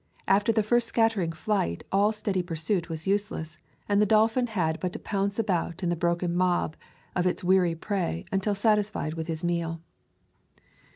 After the first scattering flight all steady pursuit was useless, and the dolphin had but to pounce about in the broken mob of its weary prey until satisfied with his meal.